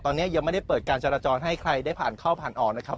ตอนนี้ยังไม่ได้เปิดการจราจรให้ใครได้ผ่านเข้าผ่านออกนะครับ